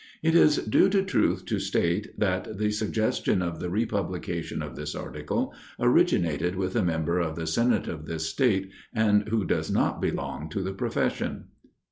It is due to truth to state, that the suggestion of the republication of this article, originated with a member of the Senate of this state, and who does not belong to the profession.